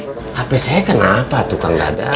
hape saya kenapa tukang dadang